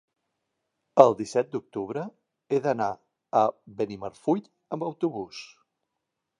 El disset d'octubre he d'anar a Benimarfull amb autobús.